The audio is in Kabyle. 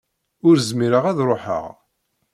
Ur zmireɣ ad ruḥeɣ.